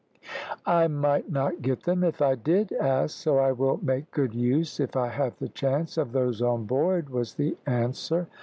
"I might not get them if I did ask, so I will make good use, if I have the chance, of those on board," was the answer.